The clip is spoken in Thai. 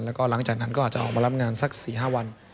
และก็หลังจากนั้นอองมารับงานสัก๔๕วัน